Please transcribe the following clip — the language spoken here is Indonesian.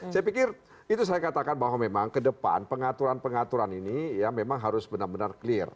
saya pikir itu saya katakan bahwa memang ke depan pengaturan pengaturan ini ya memang harus benar benar clear